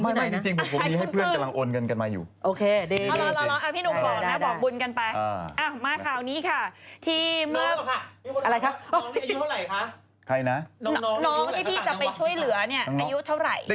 น้องที่พี่จะไปช่วยเหลืออายุเท่าไหร่